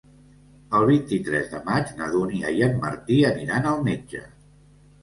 El vint-i-tres de maig na Dúnia i en Martí aniran al metge.